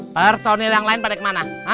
personil yang lain pada kemana